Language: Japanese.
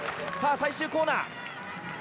さあ、最終コーナー。